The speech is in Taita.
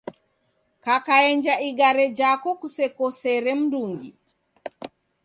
Kakaenja igare jako kusekosere mndungi.